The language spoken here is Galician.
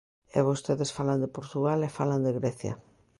E vostedes falan de Portugal e falan de Grecia.